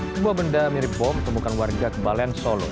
dua benda mirip bom temukan warga kebalen solo